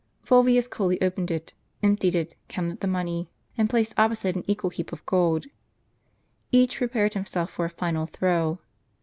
Fulvius coolly opened it, emptied it, counted the money, and placed opposite an equal heap of gold. Each prepared himself for a final throw.